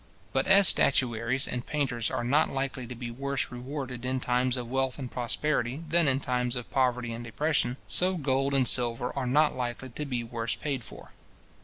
But as statuaries and painters are not likely to be worse rewarded in times of wealth and prosperity, than in times of poverty and depression, so gold and silver are not likely to be worse paid for.